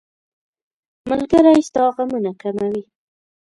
ملګری ستا غمونه کموي.